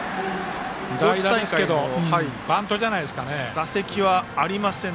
代打ですけどバントじゃないですかね。